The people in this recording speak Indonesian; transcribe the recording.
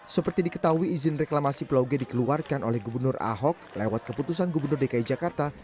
seperti diketahui izin reklamasi pulau g dikeluarkan oleh gubernur ahok lewat keputusan gubernur dki jakarta